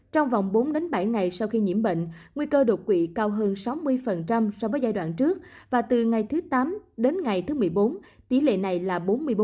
trong vòng bốn bảy ngày sau khi nhiễm bệnh nguy cơ đột quỵ cao hơn sáu mươi so với giai đoạn trước và từ ngày thứ tám đến ngày thứ một mươi bốn tỷ lệ này là bốn mươi bốn